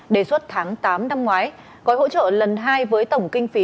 đề xuất tháng tám năm ngoái gói hỗ trợ lần hai với tổng kinh phí